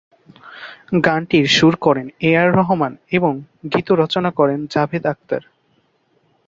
গানটির সুর করেন এ আর রহমান এবং গীত রচনা করেন জাভেদ আখতার।